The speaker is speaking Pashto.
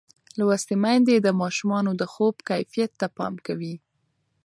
لوستې میندې د ماشومانو د خوب کیفیت ته پام کوي.